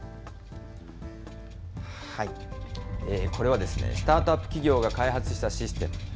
これはですね、スタートアップ企業が開発したシステム。